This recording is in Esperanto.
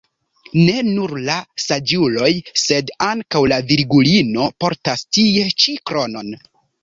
Ne nur la saĝuloj sed ankaŭ la Virgulino portas tie ĉi kronon.